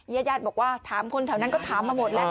เยอะแยะบอกว่าถามคนแถวนั้นก็ถามมาหมดแล้ว